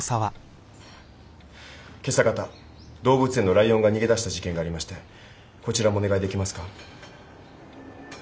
今朝方動物園のライオンが逃げ出した事件がありましてこちらもお願いできますか。